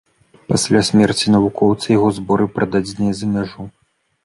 Пасля смерці навукоўца яго зборы прададзеныя за мяжу.